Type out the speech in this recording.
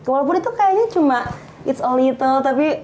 walaupun itu kayaknya cuma it s a little tapi